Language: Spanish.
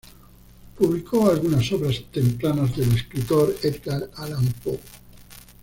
Publicó algunas obras tempranas del escritor Edgar Allan Poe.